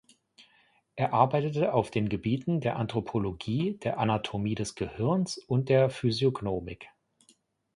Er arbeitete auf den Gebieten der Anthropologie, der Anatomie des Gehirns und der Physiognomik.